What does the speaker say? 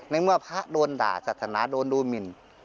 ในเมื่อพระโดนด่าศาสนาโดนดูหมิน